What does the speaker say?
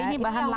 ini bahan lak